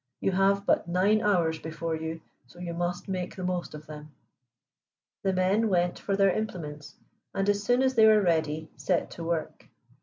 You have but nine hours before you, so you must make the most of them." The men went for their implements, and as soon as they were ready set to work.